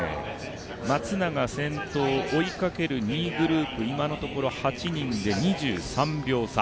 松永先頭、追いかける２位グループ今のところ８人で２３秒差。